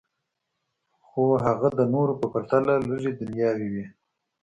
خو هغه د نورو په پرتله لږې دنیاوي وې